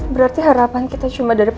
berarti harapan kita cuma dari